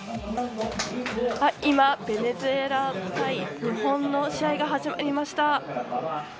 今、ベネズエラ対日本の試合が始まりました。